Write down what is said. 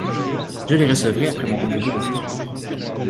Je les recevrai après mon rendez-vous de ce soir.